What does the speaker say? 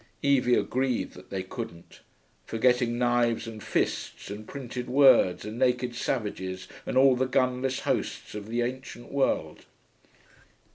Evie agreed that they couldn't, forgetting knives and fists and printed words and naked savages and all the gunless hosts of the ancient world.